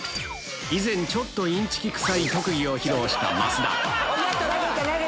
以前ちょっとインチキくさい特技を披露した増田